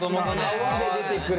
泡で出てくる。